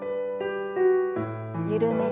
緩めて。